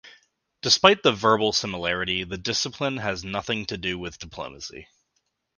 Despite the verbal similarity, the discipline has nothing to do with diplomacy.